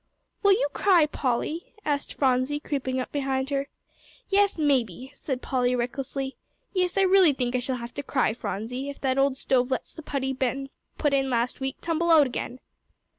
"Will you cry, Polly?" asked Phronsie, creeping up behind her. "Yes, maybe," said Polly, recklessly. "Yes, I really think I shall have to cry, Phronsie, if that old stove lets the putty Ben put in last week tumble out again."